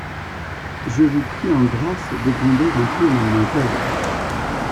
Je vous prie en grâce de gronder un peu mademoiselle.